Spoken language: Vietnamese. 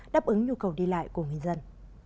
đáp ứng nhu cầu đi lại của người dân